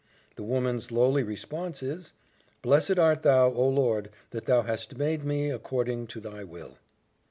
The woman's lowly response is, "Blessed art thou, O Lord! that thou hast made me according to thy will."